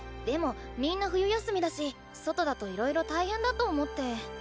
でもみんな冬休みだし外だといろいろ大変だと思って。